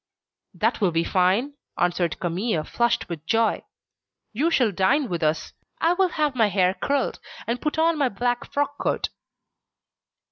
"That will be fine," answered Camille, flushed with joy. "You shall dine with us. I will have my hair curled, and put on my black frock coat."